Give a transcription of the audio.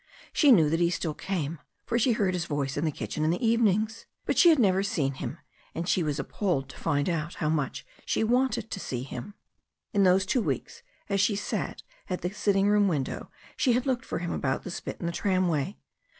She knew that he still came, for she heard his voice in the kitchen in the evenings. But she had never seen him, and she was appalled to find out how much she wanted to see him. In those two weeks, as she sat at the sitting room win dow, she had looked for him about the spit and the tram way.